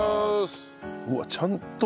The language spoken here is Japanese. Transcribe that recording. うわっちゃんと。